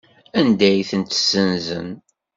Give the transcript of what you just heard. Anda ay tent-ssenzen?